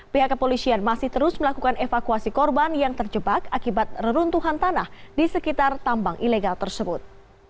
pihak kepolisian masih terus melakukan evakuasi korban yang terjebak akibat reruntuhan tanah di sekitar tambang ilegal tersebut